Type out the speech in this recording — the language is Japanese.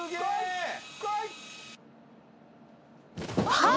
はい！